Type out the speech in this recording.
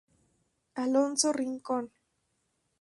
Alonso Rincón.